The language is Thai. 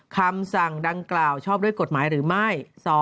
คำสั่งดังกล่าวชอบด้วยกฎหมายหรือไม่